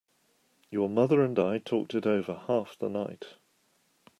Your mother and I talked it over half the night.